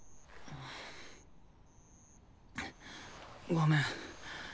ごめん。